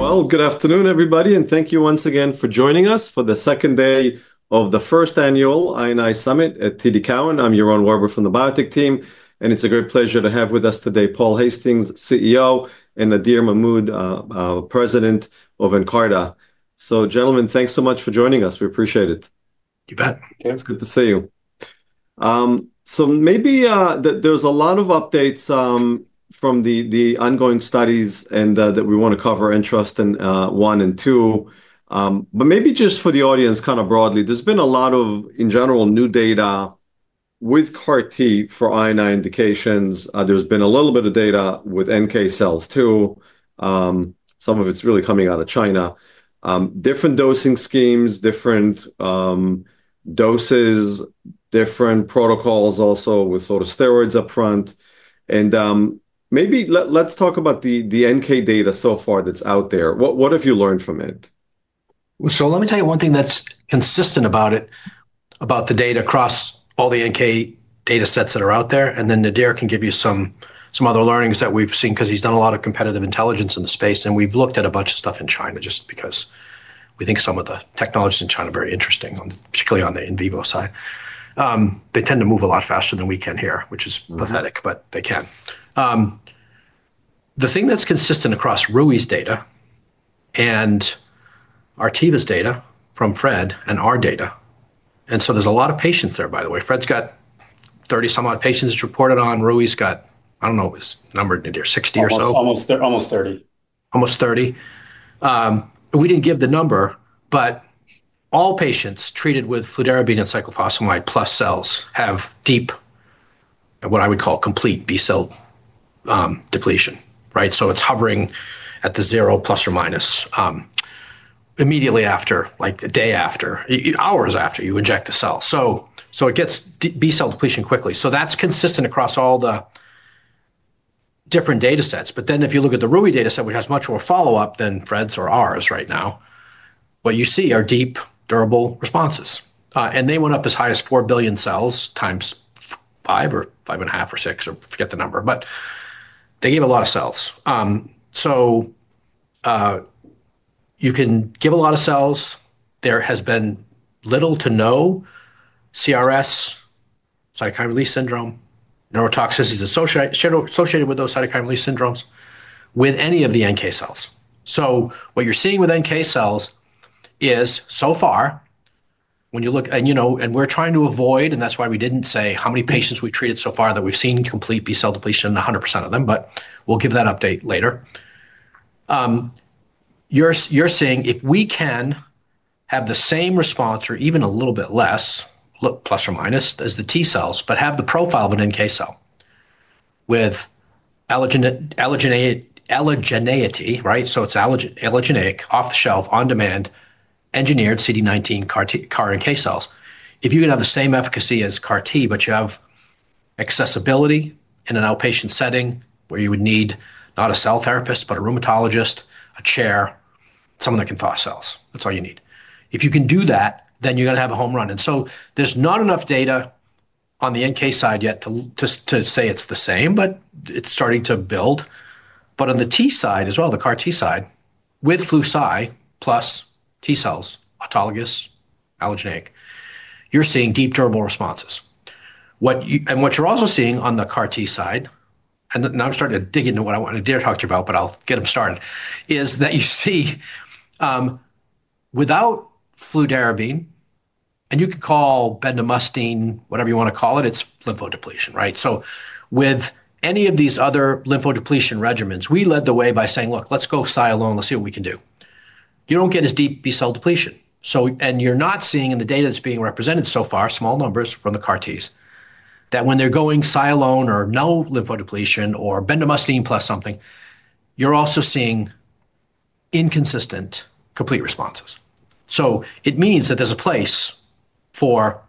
Good afternoon, everybody, and thank you once again for joining us for the second day of the first annual iAI Summit at TD Cowen. I'm Yaron Werber from the Biotech team, and it's a great pleasure to have with us today Paul Hastings, CEO, and Nadir Mahmood, President of Nkarta. Gentlemen, thanks so much for joining us. We appreciate it. You bet. It's good to see you. Maybe there's a lot of updates from the ongoing studies that we want to cover and trust in one and two. Maybe just for the audience, kind of broadly, there's been a lot of, in general, new data with CAR T for iAI indications. There's been a little bit of data with NK cells too. Some of it's really coming out of China. Different dosing schemes, different doses, different protocols also with sort of steroids upfront. Maybe let's talk about the NK data so far that's out there. What have you learned from it? Let me tell you one thing that's consistent about it, about the data across all the NK data sets that are out there. Then Nadir can give you some other learnings that we've seen because he's done a lot of competitive intelligence in the space. We've looked at a bunch of stuff in China just because we think some of the technologies in China are very interesting, particularly on the in vivo side. They tend to move a lot faster than we can here, which is pathetic, but they can. The thing that's consistent across RuYi's data and Artiva's data from Fred and our data, and so there's a lot of patients there, by the way. Fred's got 30 some odd patients reported on. RuYi's got, I don't know, numbered near 60 or so. Almost 30. Almost 30. We didn't give the number, but all patients treated with fludarabine and cyclophosphamide plus cells have deep, what I would call complete B cell depletion. It's hovering at zero plus or minus immediately after, like a day after, hours after you inject the cell. It gets B cell depletion quickly. That's consistent across all the different data sets. If you look at the RuYi data set, which has much more follow-up than Fred's or ours right now, what you see are deep, durable responses. They went up as high as 4 billion cells times 5 or 5 and a half or 6 or forget the number. They gave a lot of cells. You can give a lot of cells. There has been little to no CRS, cytokine release syndrome, neurotoxicities associated with those cytokine release syndromes with any of the NK cells. What you're seeing with NK cells is so far, when you look, and we're trying to avoid, and that's why we didn't say how many patients we've treated so far that we've seen complete B cell depletion in 100% of them, but we'll give that update later. You're seeing if we can have the same response or even a little bit less, plus or minus, as the T cells, but have the profile of an NK cell with allogeneity, so it's allogeneic, off the shelf, on demand, engineered CD19 CAR NK cells. If you can have the same efficacy as CAR T, but you have accessibility in an outpatient setting where you would need not a cell therapist, but a rheumatologist, a chair, someone that can thaw cells. That's all you need. If you can do that, then you're going to have a home run. There's not enough data on the NK side yet to say it's the same, but it's starting to build. On the T side as well, the CAR T side with fluci plus T cells, autologous, allogeneic, you're seeing deep, durable responses. What you're also seeing on the CAR T side, and now I'm starting to dig into what I want to talk to you about, but I'll get them started, is that you see without fludarabine, and you could call bendamustine, whatever you want to call it, it's lymphodepletion. With any of these other lymphodepletion regimens, we led the way by saying, look, let's go sialone, let's see what we can do. You don't get as deep B cell depletion. And you're not seeing in the data that's being represented so far, small numbers from the CAR Ts, that when they're going sialone or no lymphodepletion or bendamustine plus something, you're also seeing inconsistent complete responses. It means that there's a place for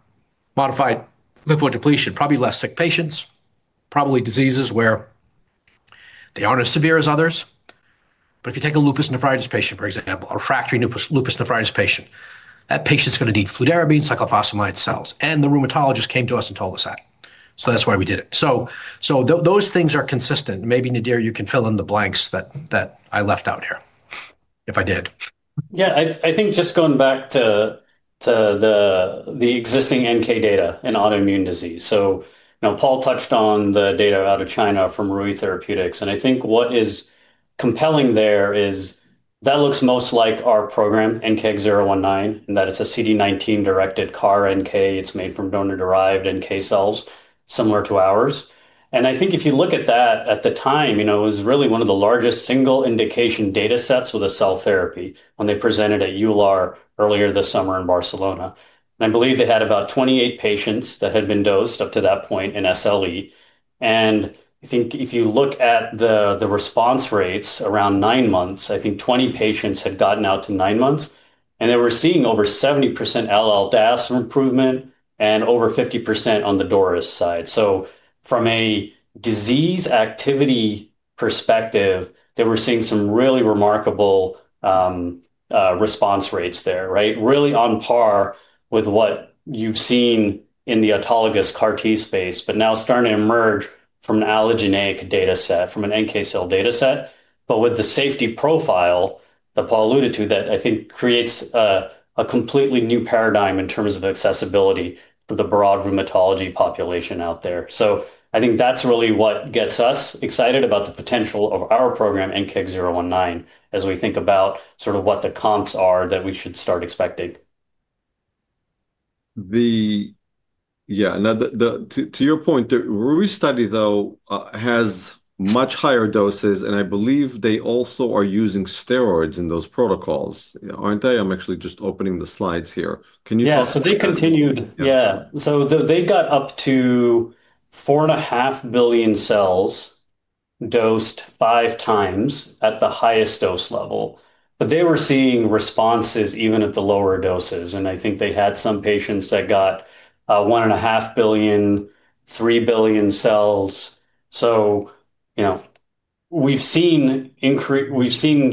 modified lymphodepletion, probably less sick patients, probably diseases where they aren't as severe as others. If you take a lupus nephritis patient, for example, or a refractory lupus nephritis patient, that patient's going to need fludarabine, cyclophosphamide cells. The rheumatologist came to us and told us that. That's why we did it. Those things are consistent. Maybe Nadir, you can fill in the blanks that I left out here if I did. Yeah, I think just going back to the existing NK data in autoimmune disease. Paul touched on the data out of China from RuYi Therapeutics. I think what is compelling there is that looks most like our program, NKX019, in that it's a CD19-directed CAR NK. It's made from donor-derived NK cells, similar to ours. I think if you look at that at the time, it was really one of the largest single indication data sets with a cell therapy when they presented at EULAR earlier this summer in Barcelona. I believe they had about 28 patients that had been dosed up to that point in SLE. I think if you look at the response rates around nine months, 20 patients had gotten out to nine months. They were seeing over 70% alleled asset improvement and over 50% on the DORA side. From a disease activity perspective, they were seeing some really remarkable response rates there, really on par with what you've seen in the autologous CAR T space, but now starting to emerge from an allogeneic data set, from an NK cell data set, but with the safety profile that Paul alluded to that I think creates a completely new paradigm in terms of accessibility for the broad rheumatology population out there. I think that's really what gets us excited about the potential of our program, NKX019, as we think about sort of what the comps are that we should start expecting. Yeah, to your point, the RuYi study, though, has much higher doses. I believe they also are using steroids in those protocols, aren't they? I'm actually just opening the slides here. Can you talk to me? Yeah, so they continued, yeah. They got up to 4.5 billion cells dosed five times at the highest dose level. They were seeing responses even at the lower doses. I think they had some patients that got 1.5 billion, 3 billion cells. We have seen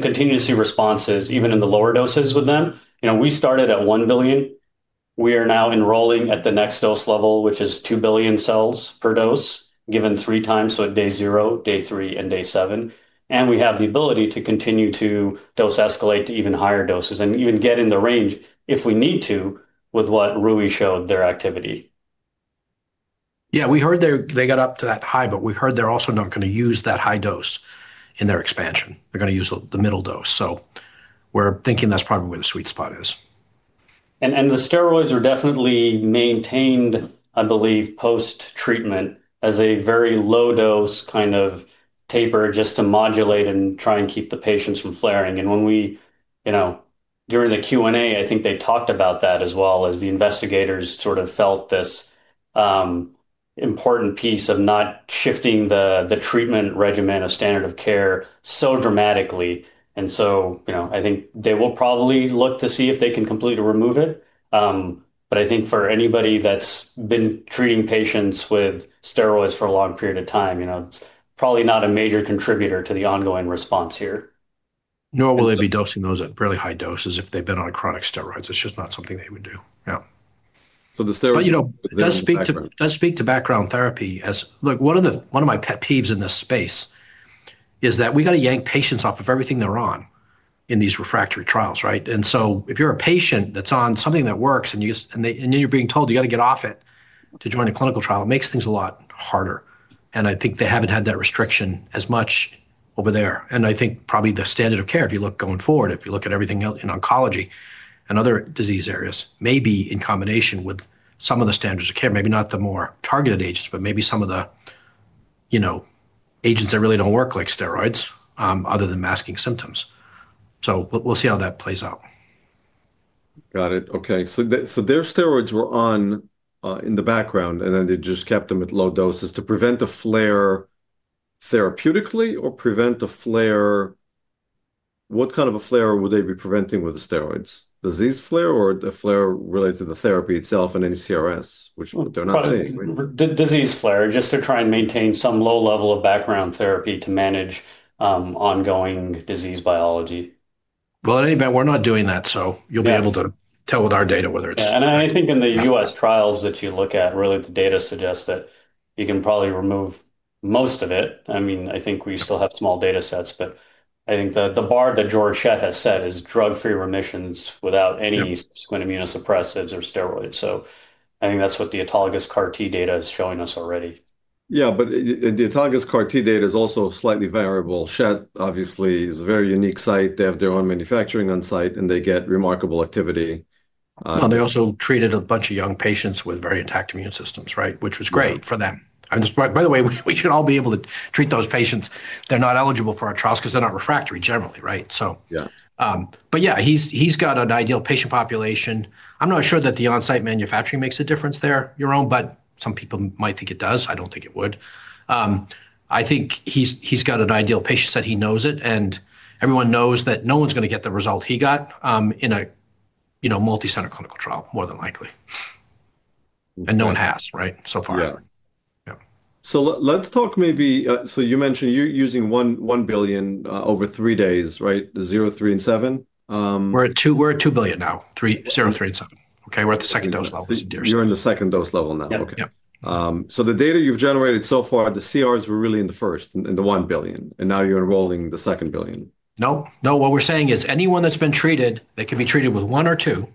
continuous responses even in the lower doses with them. We started at 1 billion. We are now enrolling at the next dose level, which is 2 billion cells per dose, given three times, at day zero, day three, and day seven. We have the ability to continue to dose escalate to even higher doses and even get in the range if we need to with what RuYi showed their activity. Yeah, we heard they got up to that high, but we heard they're also not going to use that high dose in their expansion. They're going to use the middle dose. We're thinking that's probably where the sweet spot is. The steroids are definitely maintained, I believe, post-treatment as a very low dose kind of taper just to modulate and try and keep the patients from flaring. During the Q&A, I think they talked about that as well as the investigators sort of felt this important piece of not shifting the treatment regimen of standard of care so dramatically. I think they will probably look to see if they can completely remove it. I think for anybody that's been treating patients with steroids for a long period of time, it's probably not a major contributor to the ongoing response here. Nor will they be dosing those at really high doses if they've been on chronic steroids. It's just not something they would do. Yeah. The steroids. It does speak to background therapy. Look, one of my pet peeves in this space is that we got to yank patients off of everything they're on in these refractory trials. If you're a patient that's on something that works and then you're being told you got to get off it to join a clinical trial, it makes things a lot harder. I think they haven't had that restriction as much over there. I think probably the standard of care, if you look going forward, if you look at everything else in oncology and other disease areas, maybe in combination with some of the standards of care, maybe not the more targeted agents, but maybe some of the agents that really do not work like steroids other than masking symptoms. We'll see how that plays out. Got it. Okay. So their steroids were on in the background, and then they just kept them at low doses to prevent a flare therapeutically or prevent a flare. What kind of a flare would they be preventing with the steroids? Disease flare or a flare related to the therapy itself and any CRS, which they're not seeing? Disease flare, just to try and maintain some low level of background therapy to manage ongoing disease biology. In any event, we're not doing that, so you'll be able to tell with our data whether it's. Yeah. I think in the U.S. trials that you look at, really the data suggests that you can probably remove most of it. I mean, I think we still have small data sets, but I think the bar that George Schett has set is drug-free remissions without any subsequent immunosuppressives or steroids. I think that's what the autologous CAR T data is showing us already. Yeah, but the autologous CAR T data is also slightly variable. Schett, obviously, is a very unique site. They have their own manufacturing on site, and they get remarkable activity. They also treated a bunch of young patients with very intact immune systems, which was great for them. By the way, we should all be able to treat those patients. They're not eligible for a trial because they're not refractory generally. Yeah, he's got an ideal patient population. I'm not sure that the on-site manufacturing makes a difference there, your own, but some people might think it does. I don't think it would. I think he's got an ideal patient set. He knows it. Everyone knows that no one's going to get the result he got in a multicenter clinical trial, more than likely. No one has so far. Yeah. So let's talk maybe, so you mentioned you're using 1 billion over three days, 0, 3, and 7. We're at 2 billion now, 0, 3, and 7. Okay, we're at the second dose level. You're in the second dose level now. Okay. So the data you've generated so far, the CRs were really in the first, in the 1 billion. And now you're enrolling the second billion. No, no. What we're saying is anyone that's been treated, they can be treated with one or two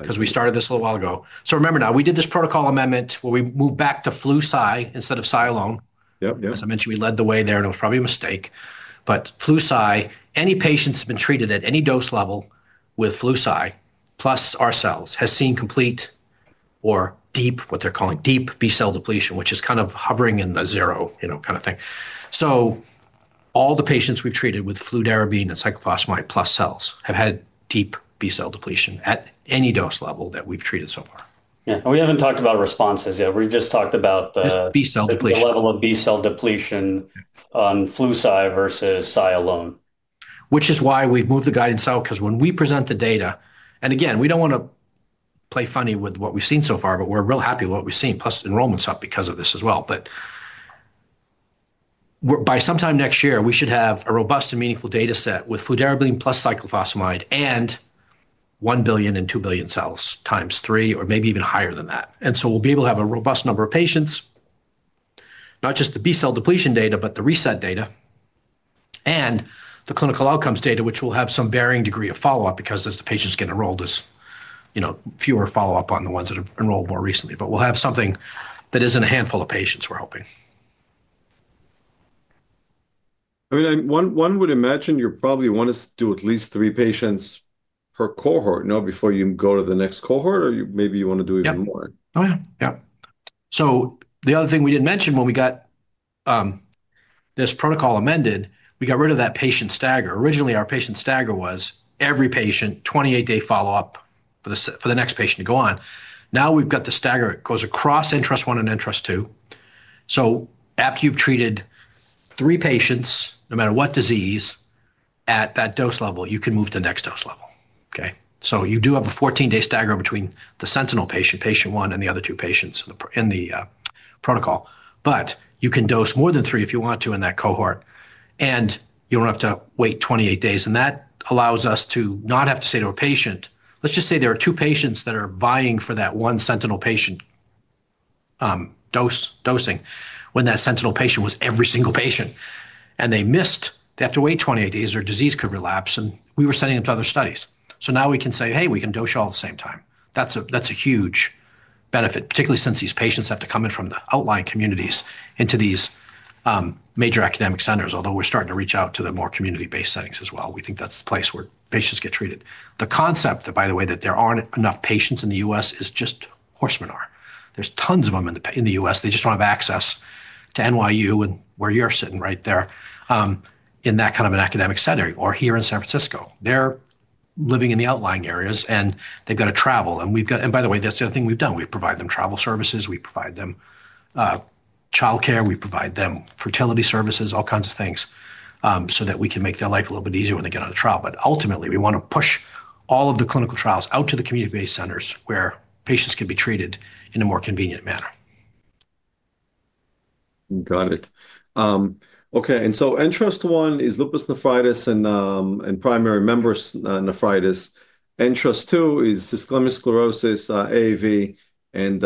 because we started this a little while ago. Remember now, we did this protocol amendment where we moved back to fludarabine instead of sialone. As I mentioned, we led the way there, and it was probably a mistake. Fludarabine, any patient that's been treated at any dose level with fludarabine plus our cells has seen complete or deep, what they're calling deep B cell depletion, which is kind of hovering in the zero kind of thing. All the patients we've treated with fludarabine and cyclophosphamide plus cells have had deep B cell depletion at any dose level that we've treated so far. Yeah. We have not talked about responses yet. We have just talked about the level of B cell depletion on fludarabine versus cyclophosphamide. Which is why we've moved the guidance out because when we present the data, and again, we don't want to play funny with what we've seen so far, but we're real happy with what we've seen, plus enrollment's up because of this as well. By sometime next year, we should have a robust and meaningful data set with fludarabine plus cyclophosphamide and 1 billion and 2 billion cells times 3 or maybe even higher than that. We will be able to have a robust number of patients, not just the B cell depletion data, but the reset data and the clinical outcomes data, which will have some varying degree of follow-up because as the patients get enrolled, there's fewer follow-up on the ones that have enrolled more recently. We will have something that isn't a handful of patients, we're hoping. I mean, one would imagine you probably want to do at least three patients per cohort before you go to the next cohort, or maybe you want to do even more. Yeah. Oh, yeah. Yeah. The other thing we didn't mention when we got this protocol amended, we got rid of that patient stagger. Originally, our patient stagger was every patient, 28-day follow-up for the next patient to go on. Now we've got the stagger that goes across interest one and interest two. After you've treated three patients, no matter what disease, at that dose level, you can move to the next dose level. You do have a 14-day stagger between the sentinel patient, patient one, and the other two patients in the protocol. You can dose more than three if you want to in that cohort, and you don't have to wait 28 days. That allows us to not have to say to a patient, let's just say there are two patients that are vying for that one sentinel patient dosing when that sentinel patient was every single patient and they missed, they have to wait 28 days or disease could relapse. We were sending them to other studies. Now we can say, hey, we can dose you all at the same time. That's a huge benefit, particularly since these patients have to come in from the outlying communities into these major academic centers, although we're starting to reach out to the more community-based settings as well. We think that's the place where patients get treated. The concept, by the way, that there aren't enough patients in the U.S. is just horse manure. There's tons of them in the U.S. They just don't have access to NYU and where you're sitting right there in that kind of an academic setting or here in San Francisco. They're living in the outlying areas, and they've got to travel. By the way, that's the other thing we've done. We've provided them travel services. We provide them childcare. We provide them fertility services, all kinds of things so that we can make their life a little bit easier when they get on a trial. Ultimately, we want to push all of the clinical trials out to the community-based centers where patients can be treated in a more convenient manner. Got it. Okay. And so interest one is lupus nephritis and primary membranous nephropathy. Interest two is systemic sclerosis, ANCA vasculitis, and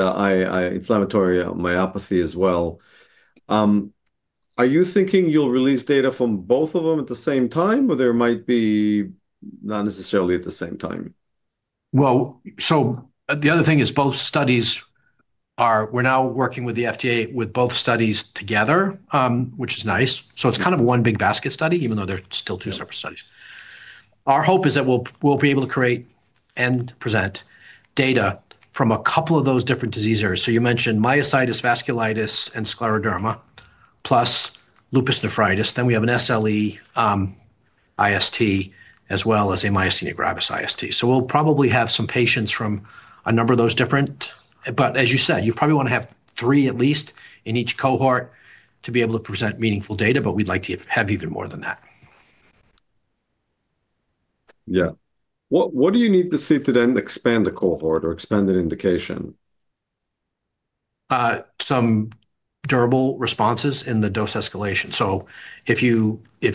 inflammatory myopathy as well. Are you thinking you'll release data from both of them at the same time, or there might be not necessarily at the same time? The other thing is both studies, we're now working with the FDA with both studies together, which is nice. It is kind of one big basket study, even though they're still two separate studies. Our hope is that we'll be able to create and present data from a couple of those different disease areas. You mentioned myositis, vasculitis, and scleroderma, plus lupus nephritis. Then we have an SLE IST as well as a myasthenia gravis IST. We'll probably have some patients from a number of those different. As you said, you probably want to have three at least in each cohort to be able to present meaningful data, but we'd like to have even more than that. Yeah. What do you need to see to then expand the cohort or expand the indication? Some durable responses in the dose escalation. If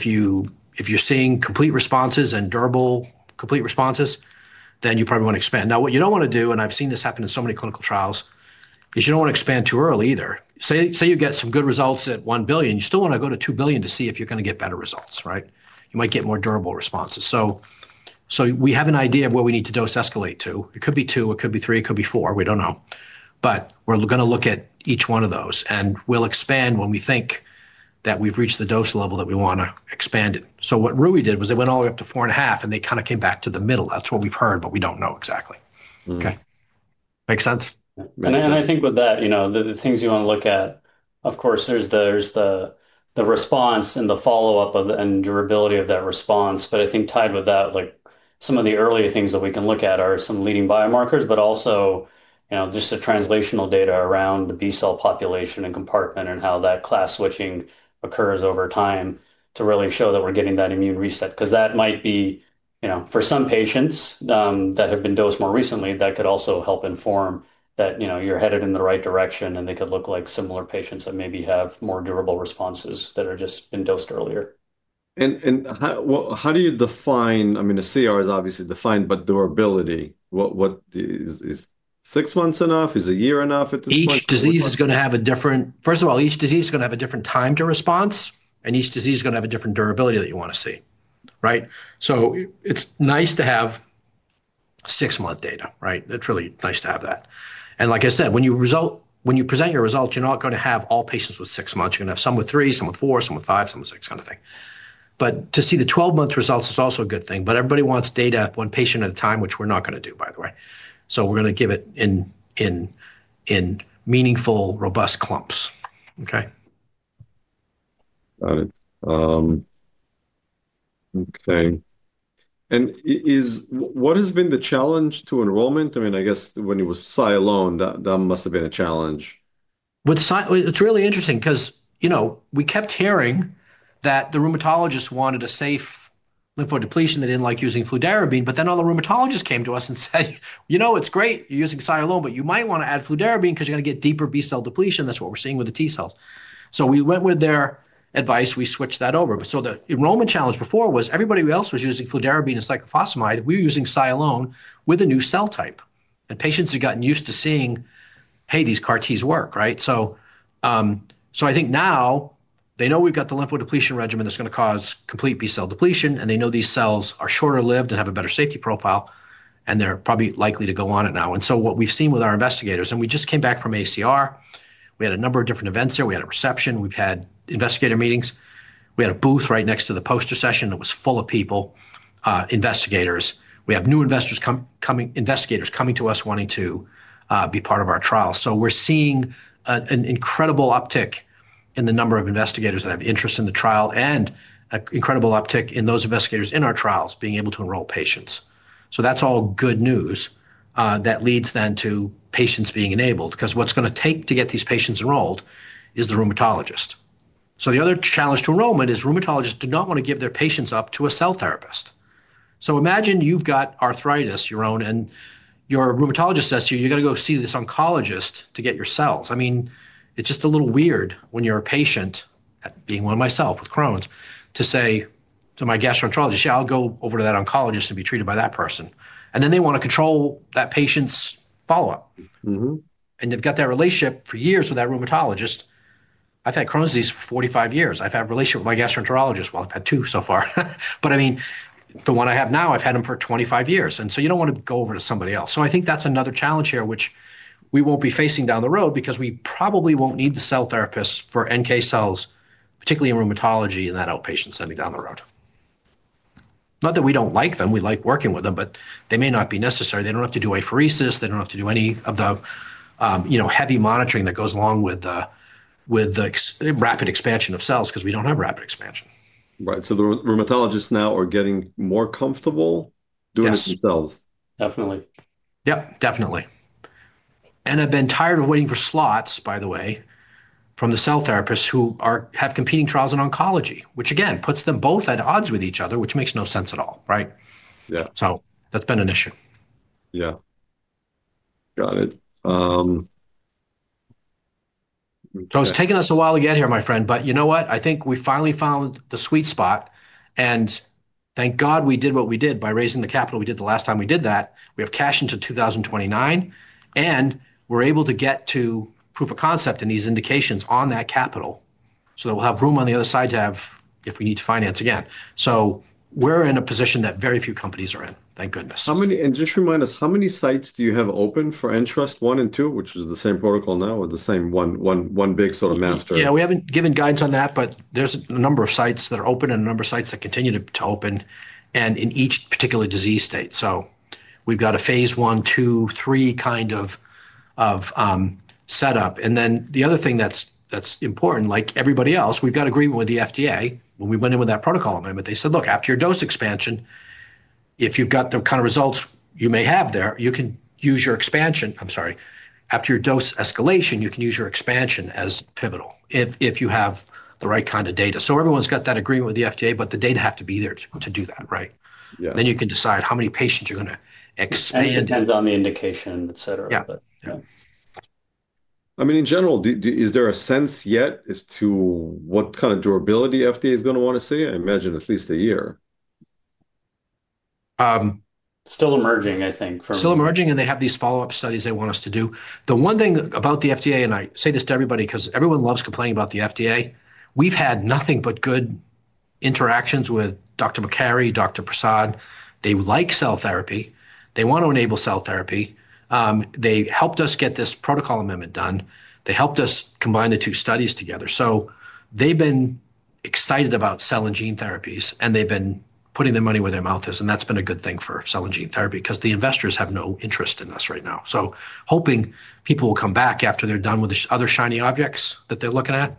you're seeing complete responses and durable complete responses, then you probably want to expand. What you don't want to do, and I've seen this happen in so many clinical trials, is you don't want to expand too early either. Say you get some good results at 1 billion, you still want to go to 2 billion to see if you're going to get better results. You might get more durable responses. We have an idea of what we need to dose escalate to. It could be two. It could be three. It could be four. We don't know. We're going to look at each one of those. We'll expand when we think that we've reached the dose level that we want to expand at. What RuYi did was they went all the way up to 4.5, and they kind of came back to the middle. That is what we have heard, but we do not know exactly. Okay. Makes sense? I think with that, the things you want to look at, of course, there's the response and the follow-up and durability of that response. I think tied with that, some of the earlier things that we can look at are some leading biomarkers, but also just the translational data around the B cell population and compartment and how that class switching occurs over time to really show that we're getting that immune reset. That might be, for some patients that have been dosed more recently, that could also help inform that you're headed in the right direction, and they could look like similar patients that maybe have more durable responses that have just been dosed earlier. How do you define? I mean, the CR is obviously defined, but durability, what is six months enough? Is a year enough at this point? Each disease is going to have a different, first of all, each disease is going to have a different time to response, and each disease is going to have a different durability that you want to see. It's nice to have six-month data. It's really nice to have that. Like I said, when you present your results, you're not going to have all patients with six months. You're going to have some with three, some with four, some with five, some with six, kind of thing. To see the 12-month results is also a good thing. Everybody wants data one patient at a time, which we're not going to do, by the way. We're going to give it in meaningful, robust clumps. Okay. Got it. Okay. And what has been the challenge to enrollment? I mean, I guess when it was sialone, that must have been a challenge. It's really interesting because we kept hearing that the rheumatologists wanted a safe lymphodepletion. They didn't like using fludarabine. But then all the rheumatologists came to us and said, "You know, it's great. You're using cyclophosphamide, but you might want to add fludarabine because you're going to get deeper B cell depletion. That's what we're seeing with the T cells." We went with their advice. We switched that over. The enrollment challenge before was everybody else was using fludarabine and cyclophosphamide. We were using cyclophosphamide with a new cell type. Patients had gotten used to seeing, "Hey, these CAR Ts work." I think now they know we've got the lymphodepletion regimen that's going to cause complete B cell depletion, and they know these cells are shorter-lived and have a better safety profile, and they're probably likely to go on it now. What we've seen with our investigators, and we just came back from ACR, we had a number of different events here. We had a reception. We've had investigator meetings. We had a booth right next to the poster session that was full of people, investigators. We have new investigators coming to us wanting to be part of our trial. We're seeing an incredible uptick in the number of investigators that have interest in the trial and an incredible uptick in those investigators in our trials being able to enroll patients. That's all good news that leads then to patients being enabled because what's going to take to get these patients enrolled is the rheumatologist. The other challenge to enrollment is rheumatologists do not want to give their patients up to a cell therapist. Imagine you've got arthritis, your own, and your rheumatologist says to you, "You've got to go see this oncologist to get your cells." I mean, it's just a little weird when you're a patient, being one myself with Crohn's, to say to my gastroenterologist, "Yeah, I'll go over to that oncologist and be treated by that person." They want to control that patient's follow-up. They've got that relationship for years with that rheumatologist. I've had Crohn's disease for 45 years. I've had a relationship with my gastroenterologist. I've had two so far. I mean, the one I have now, I've had him for 25 years. You don't want to go over to somebody else. I think that's another challenge here, which we won't be facing down the road because we probably won't need the cell therapists for NK cells, particularly in rheumatology in that outpatient setting down the road. Not that we don't like them. We like working with them, but they may not be necessary. They don't have to do apheresis. They don't have to do any of the heavy monitoring that goes along with the rapid expansion of cells because we don't have rapid expansion. Right. The rheumatologists now are getting more comfortable doing it themselves. Definitely. Yep, definitely. I've been tired of waiting for slots, by the way, from the cell therapists who have competing trials in oncology, which again, puts them both at odds with each other, which makes no sense at all. That has been an issue. Yeah. Got it. It's taken us a while to get here, my friend, but you know what? I think we finally found the sweet spot. Thank God we did what we did by raising the capital we did the last time we did that. We have cash into 2029, and we're able to get to proof of concept in these indications on that capital so that we'll have room on the other side to have if we need to finance again. We're in a position that very few companies are in, thank goodness. Just remind us, how many sites do you have open for interest one and two, which is the same protocol now or the same one big sort of master? Yeah, we haven't given guidance on that, but there's a number of sites that are open and a number of sites that continue to open in each particular disease state. We've got a phase one, two, three kind of setup. The other thing that's important, like everybody else, we've got agreement with the FDA. When we went in with that protocol amendment, they said, "Look, after your dose expansion, if you've got the kind of results you may have there, you can use your expansion." I'm sorry. "After your dose escalation, you can use your expansion as pivotal if you have the right kind of data." Everyone's got that agreement with the FDA, but the data have to be there to do that. You can decide how many patients you're going to expand. It depends on the indication, etc. I mean, in general, is there a sense yet as to what kind of durability FDA is going to want to see? I imagine at least a year. Still emerging, I think. Still emerging, and they have these follow-up studies they want us to do. The one thing about the FDA, and I say this to everybody because everyone loves complaining about the FDA, we've had nothing but good interactions with Dr. Makkary, Dr. Prasad. They like cell therapy. They want to enable cell therapy. They helped us get this protocol amendment done. They helped us combine the two studies together. They have been excited about cell and gene therapies, and they have been putting their money where their mouth is. That has been a good thing for cell and gene therapy because the investors have no interest in us right now. Hoping people will come back after they are done with these other shiny objects that they are looking at,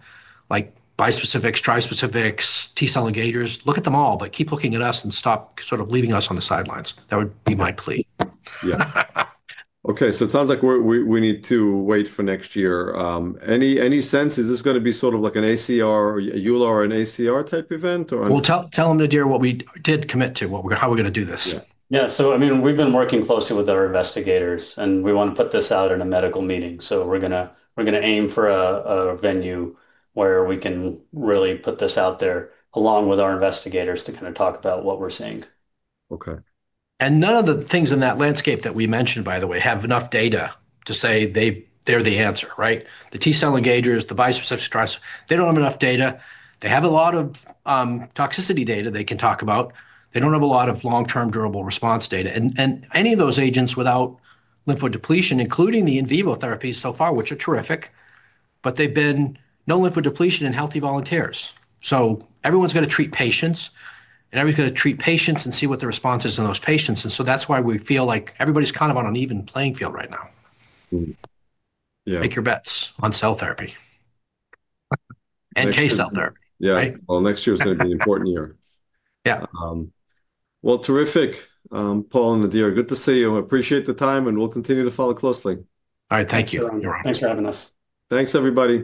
like bispecifics, trispecifics, T cell engagers. Look at them all, but keep looking at us and stop sort of leaving us on the sidelines. That would be my plea. Yeah. Okay. So it sounds like we need to wait for next year. Any sense? Is this going to be sort of like an ACR, EULAR, or an ACR type event? Tell them Nadir what we did commit to, how we're going to do this. Yeah. So I mean, we've been working closely with our investigators, and we want to put this out in a medical meeting. We're going to aim for a venue where we can really put this out there along with our investigators to kind of talk about what we're seeing. Okay. None of the things in that landscape that we mentioned, by the way, have enough data to say they're the answer. The T cell engagers, the bispecifics, trispecifics, they do not have enough data. They have a lot of toxicity data they can talk about. They do not have a lot of long-term durable response data. Any of those agents without lymphodepletion, including the in vivo therapies so far, which are terrific, but there has been no lymphodepletion in healthy volunteers. Everyone is going to treat patients, and everyone is going to treat patients and see what the response is in those patients. That is why we feel like everybody is kind of on an even playing field right now. Make your bets on cell therapy, NK cell therapy. Yeah. Next year is going to be an important year. Yeah. Terrific, Paul and Nadir. Good to see you. Appreciate the time, and we'll continue to follow closely. All right. Thank you. Thanks for having us. Thanks, everybody.